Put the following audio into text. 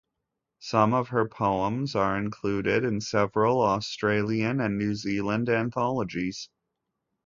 Some of her poems are included in several Australian and New Zealand anthologies.